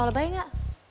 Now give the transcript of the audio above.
lo lebahi gak